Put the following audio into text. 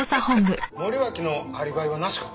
森脇のアリバイはなしか？